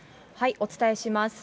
お伝えします。